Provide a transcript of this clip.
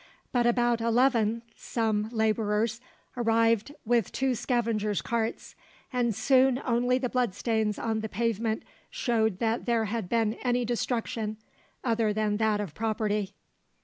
But about eleven some labourers arrived with two scavengers' carts; and soon only the bloodstains on the pavement showed that there had been any destruction other than that of property.